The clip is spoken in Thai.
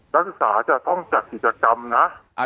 นักศึกษาจะต้องจัดกิจกรรมนะ